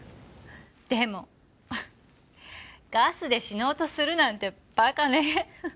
でもガスで死のうとするなんてバカね。